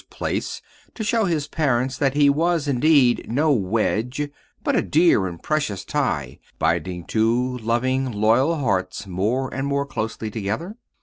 's place to show his parents that he was, indeed, no Wedge, but a dear and precious Tie binding two loving, loyal hearts more and more closely together?